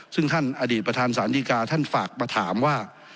ซึ่งท่านอดีตประธานศาลดีกาท่านฝากมาถามว่า